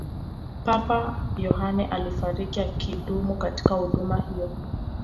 papa yohane alifariki akidumu katika huduma hiyo